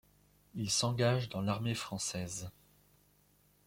Il s'engage dans l'armée française.